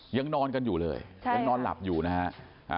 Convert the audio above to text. ยังนอนกันอยู่เลยยังนอนหลับอยู่นะฮะ